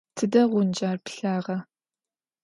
Tıde ğuncer pılhağa?